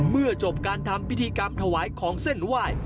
เมื่อจบการทำพิธีกรรมถวายของเส้นไหว้